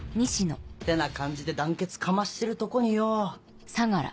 ってな感じで団結かましてるとこによ。